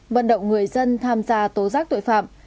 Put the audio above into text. vận động người dân tham gia tố giác tội phạm